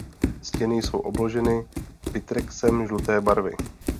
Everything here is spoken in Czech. Stěny jsou obloženy Vitrexem žluté barvy.